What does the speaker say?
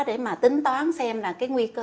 để mà tính toán xem là cái nguy cơ